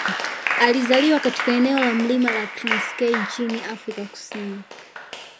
alizaliwa katika eneo la milimani la Transkei nchini Afrika Kusini